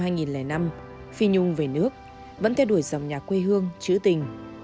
năm hai nghìn năm phi nhung về nước vẫn theo đuổi dòng nhà quê hương chữ tình